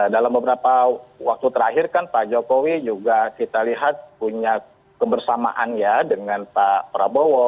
dalam beberapa waktu terakhir kan pak jokowi juga kita lihat punya kebersamaan ya dengan pak prabowo